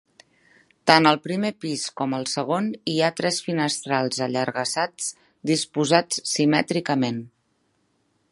Tant el primer pis com el segon hi ha tres finestrals allargassats disposats simètricament.